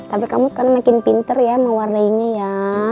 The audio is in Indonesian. tapi kamu sekarang makin pinter ya mewarnai nya ya